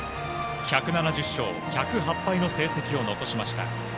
１７０勝１０８敗の成績を残しました。